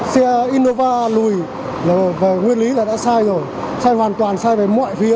xe innova lùi nguyên lý là đã sai rồi sai hoàn toàn sai về mọi phía